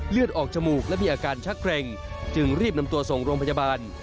เลือดออกจมูกและมีอาการชักเกร็งจึงรีบนำตัวส่งโรงพยาบาล